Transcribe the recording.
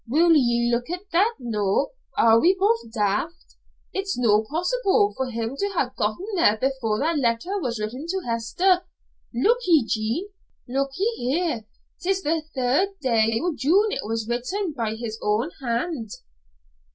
"Wull ye look at that noo! Are we both daft? It's no possible for him to ha' gotten there before that letter was written to Hester. Look ye, Jean! Look ye! Here 'tis the third day o' June it was written by his own hand."